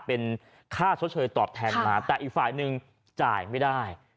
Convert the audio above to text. เป็นค่าชดเชยตอบแทนมาแต่อีกฝ่ายหนึ่งจ่ายไม่ได้